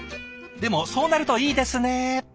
でもそうなるといいですね。